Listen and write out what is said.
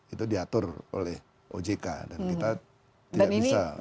itu diatur oleh ojk dan kita tidak bisa